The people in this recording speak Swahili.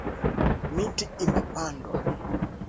Miti imepandwa